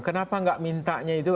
kenapa nggak mintanya itu